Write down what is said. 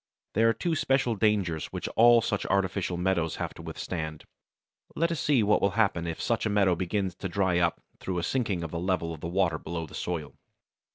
There are two special dangers which all such artificial meadows have to withstand. Let us see what will happen if such a meadow begins to dry up through a sinking of the level of the water below the soil.